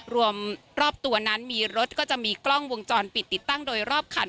รอบตัวนั้นมีรถก็จะมีกล้องวงจรปิดติดตั้งโดยรอบคัน